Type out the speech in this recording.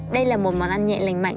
đây là một món ăn nhẹ lành mạnh